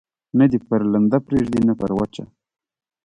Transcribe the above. نه دي پر لنده پرېږدي، نه پر وچه.